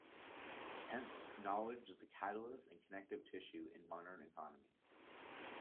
Hence, knowledge is the catalyst and connective tissue in modern economies.